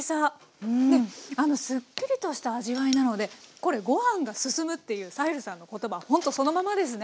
すっきりとした味わいなのでご飯が進むっていうサヘルさんの言葉ほんとそのままですね。